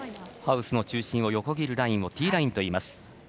ハウスの中心を横切るラインをティーラインといいます。